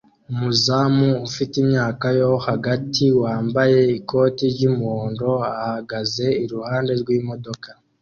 Umuzamu ufite imyaka yo hagati wambaye ikoti ry'umuhondo ahagaze iruhande rw'imodoka